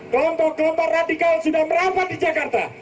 kelompok kelompok radikal sudah merambat di jakarta